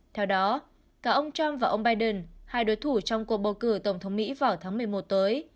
theo đó cả ông trump và ông biden hai đối thủ trong cuộc bầu cử tổng thống mỹ vào tháng một mươi một tới